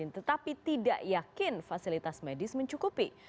tetapi tidak yakin fasilitas medis mencukupi